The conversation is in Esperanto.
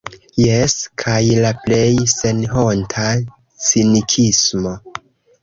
Jes, kaj la plej senhonta cinikismo.